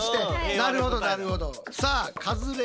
なるほどなるほど。